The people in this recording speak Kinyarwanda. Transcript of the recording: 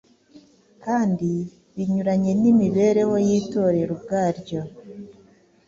kandi binyuranye n’imibereho y’Itorero ubwaryo.